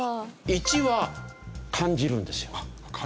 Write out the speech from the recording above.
１は感じるんですよ。